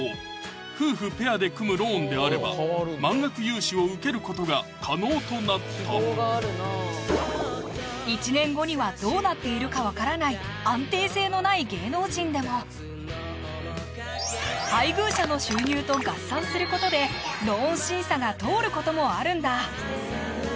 夫婦ペアで組むローンであれば満額融資を受けることが可能となった安定性のない芸能人でも配偶者の収入と合算することでローン審査が通ることもあるんだ